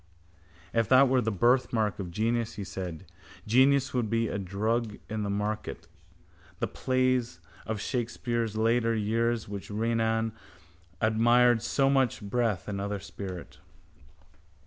—If that were the birthmark of genius, he said, genius would be a drug in the market. The plays of Shakespeare's later years which Renan admired so much breathe another spirit.